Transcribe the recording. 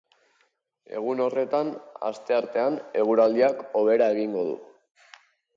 Egun horretan, asteartean, eguraldiak hobera egingo du.